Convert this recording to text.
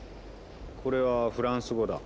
これはフランス語だ。